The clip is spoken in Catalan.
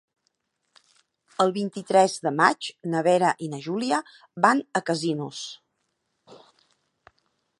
El vint-i-tres de maig na Vera i na Júlia van a Casinos.